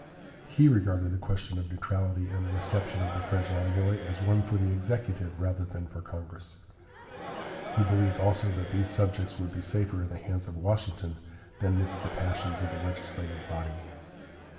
He regarded the question of neutrality and the reception of the French envoy as one for the executive rather than for Congress. He believed also that these subjects would be safer in the hands of Washington than midst the passions of a legislative body.